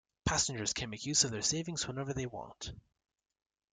Passengers can make a use of their savings whenever they want.